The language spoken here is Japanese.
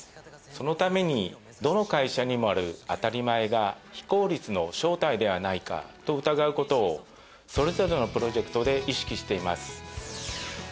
そのためにどの会社にもある「あたりまえ」が非効率の正体ではないかと疑う事をそれぞれのプロジェクトで意識しています。